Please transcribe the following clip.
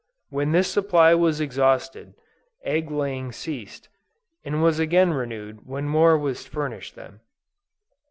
When this supply was exhausted, egg laying ceased, and was again renewed when more was furnished them.